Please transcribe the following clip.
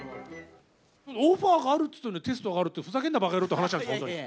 オファーがあるって言ってんのに、テストがあるって、ふざけんなバカヤローって話なんです、本当に。